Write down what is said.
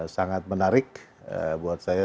sangat menarik buat saya